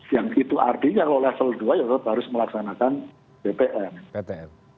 yang itu artinya kalau level dua ya tetap harus melaksanakan bpn